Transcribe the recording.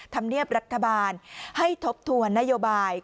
ธรรมเนียบรัฐบาลให้ทบทวนนโยบาย